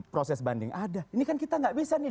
proses banding ada ini kan kita nggak bisa nih